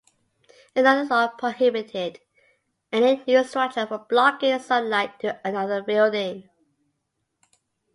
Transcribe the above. Another law prohibited any new structure from blocking sunlight to another building.